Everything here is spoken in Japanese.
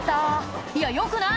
「いやよくない！